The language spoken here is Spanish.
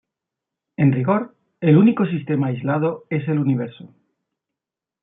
En rigor, el único sistema aislado es el universo.